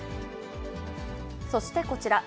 そして、こちら。